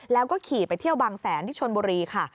แล้วก็ขี่ไปเที่ยวบางแสนที่ชนบุรีค่ะ